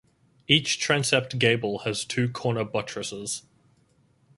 Each transept gable has two corner buttresses.